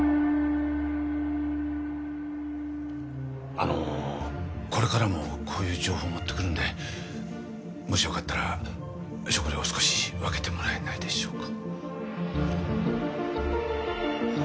あのこれからもこういう情報持ってくるんでもしよかったら食料を少し分けてもらえないでしょうか？